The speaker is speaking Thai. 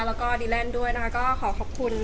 แล้วก็ดีแลนด์ด้วยนะคะก็ขอขอบคุณ